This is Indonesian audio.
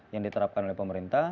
yang diterapkan oleh pemerintah